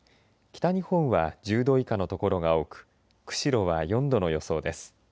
北日本は１０度以下の所が多く釧路は４度の予想です。